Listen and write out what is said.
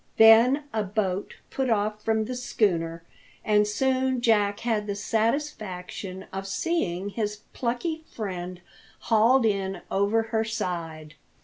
Then a boat put off from the schooner, and soon Jack had the satisfaction of seeing his plucky friend hauled' in over her side.